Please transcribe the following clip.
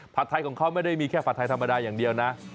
ไทยของเขาไม่ได้มีแค่ผัดไทยธรรมดาอย่างเดียวนะ